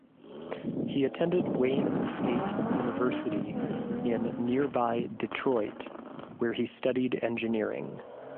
He attended Wayne State University in nearby Detroit, where he studied engineering.